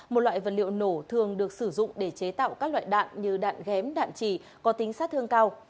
một loại vật liệu nổ thường được sử dụng để chế tạo các loại đạn như đạn ghém đạn chỉ có tính sát thương cao